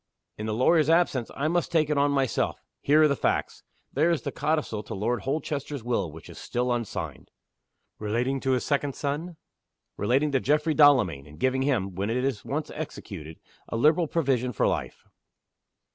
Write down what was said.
In the lawyer's absence, I must take it on myself. Here are the facts. There is the codicil to Lord Holchester's Will which is still unsigned." "Relating to his second son?" "Relating to Geoffrey Delamayn, and giving him (when it is once executed) a liberal provision for life."